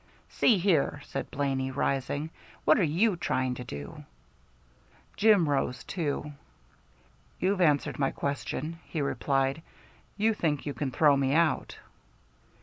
"See here," said Blaney, rising; "what are you trying to do?" Jim rose too. "You've answered my question," he replied. "You think you can throw me out."